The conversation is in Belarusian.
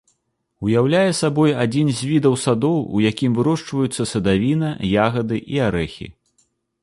Уяўляе сабой адзін з відаў садоў, у якім вырошчваюцца садавіна, ягады і арэхі.